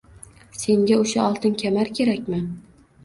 Senga oʻsha oltin kamar kerakmi?